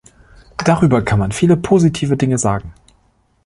Darüber kann man viele positive Dinge sagen.